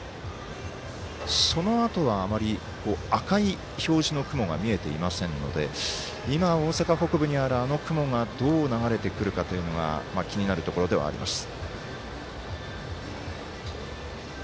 そのあとはあまり赤い表示の雲が見えていませんので今、大阪北部にあるあの雲がどう流れてくるかというのが気になるところではあります。